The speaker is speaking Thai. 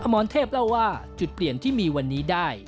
มรเทพเล่าว่าจุดเปลี่ยนที่มีวันนี้ได้